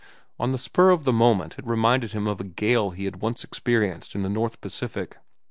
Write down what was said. On the spur of the moment it reminded him of a gale he had once experienced in the North Pacific.